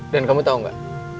dan kamu tau gak